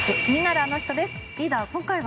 気になるアノ人です。